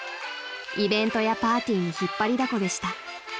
［イベントやパーティーに引っ張りだこでした］